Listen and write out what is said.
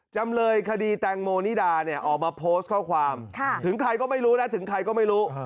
จำเลยคดีแตงโมนิดาเนี่ยออกมาโพสต์ข้อความถึงใครก็ไม่รู้นะถึงใครก็ไม่รู้